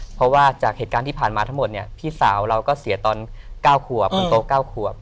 เพราะว่าจากเหตุการณ์ที่ผ่านมาทั้งหมดเนี่ยพี่สาวเราก็เสียตอน๙ขวบคนโต๙ขวบ